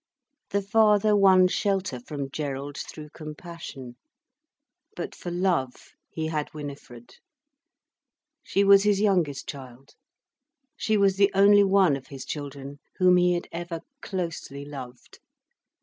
The father won shelter from Gerald through compassion. But for love he had Winifred. She was his youngest child, she was the only one of his children whom he had ever closely loved.